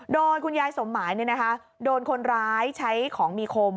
โดนคุณยายสมหมายเนี่ยนะคะโดนคนร้ายใช้ของมีคม